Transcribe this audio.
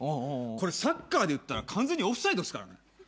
これサッカーでいったら完全にオフサイドですからね。